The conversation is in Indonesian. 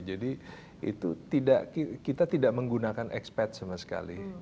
jadi itu tidak kita tidak menggunakan expat sama sekali